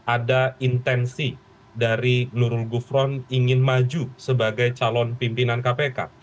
ada intensi dari nurul gufron ingin maju sebagai calon pimpinan kpk